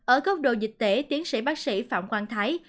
ở cốc độ dịch tễ tiến sĩ bác sĩ phạm quang thái